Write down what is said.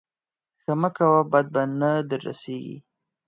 ښه مه کوه بد به نه در رسېږي.